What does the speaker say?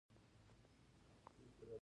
د حکومت پاټکونه شروع سول.